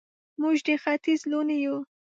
موږ د ختیځ لوڼې یو